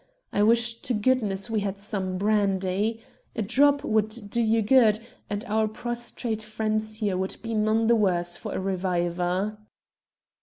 I wish to goodness we had some brandy. A drop would do you good, and our prostrate friend here would be none the worse for a reviver."